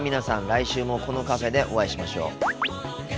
来週もこのカフェでお会いしましょう。